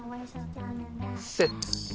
セット。